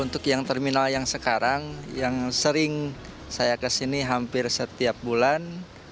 untuk yang terminal yang sekarang yang sering saya kesini hampir setiap bulan